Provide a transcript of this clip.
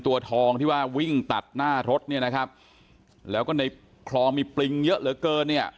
ตัวทองที่ว่าวิ่งตัดหน้ารถเนี่ยนะครับแล้วก็ในคลองมีปริงเยอะเหลือเกินเนี่ย